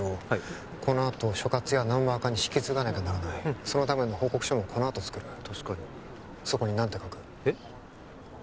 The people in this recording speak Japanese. はいこのあと所轄やナンバー課に引き継がなきゃならないそのための報告書もこのあと作る確かにそこに何て書く？えっ？